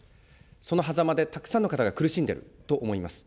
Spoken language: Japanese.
そのはざまでたくさんの方が苦しんでいると思います。